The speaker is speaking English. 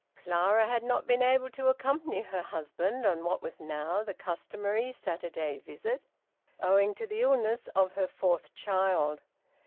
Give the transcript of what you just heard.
Clara had not been able to accompany her husband on what was now the customary Saturday visit, owing to the illness of her fourth child.